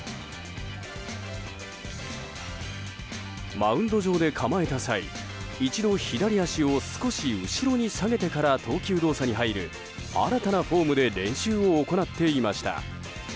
マウンド上で構えた際一度、左足を少し後ろに下げてから投球動作に入る新たなフォームで練習を行っていました。